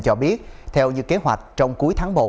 cho biết theo như kế hoạch trong cuối tháng một